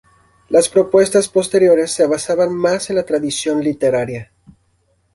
Las propuestas posteriores se basaban más en la tradición literaria.